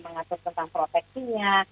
mengatur tentang proteksinya